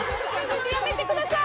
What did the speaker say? やめてください！